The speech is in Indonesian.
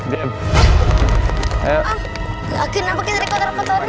kenapa kita di kotor kotorin